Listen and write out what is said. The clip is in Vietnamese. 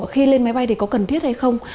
khi lên máy bay thì có cần thiết hay không